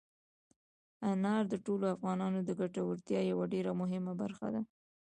انار د ټولو افغانانو د ګټورتیا یوه ډېره مهمه برخه ده.